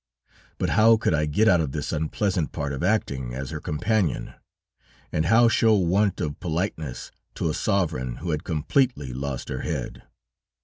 But how could I get out of this unpleasant part of acting as her companion, and how show want of politeness to a sovereign who had completely lost her head?